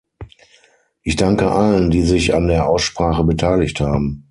Ich danke allen, die sich an der Aussprache beteiligt haben.